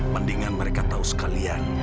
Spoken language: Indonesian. mendingan mereka tahu sekalian